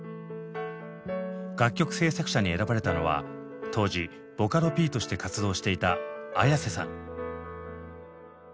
楽曲制作者に選ばれたのは当時ボカロＰとして活動していたＡｙａｓｅさん。